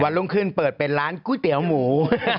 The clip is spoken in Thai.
รุ่งขึ้นเปิดเป็นร้านก๋วยเตี๋ยวหมู